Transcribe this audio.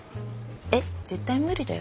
えっ？絶対無理だよ。